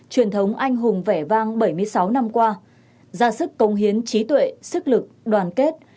truyền thống anh hùng vẻ vang bảy mươi sáu năm qua ra sức công hiến trí tuệ sức lực đoàn kết